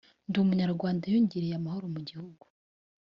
ndi umunyarwanda yongereye amahoro mugihugu.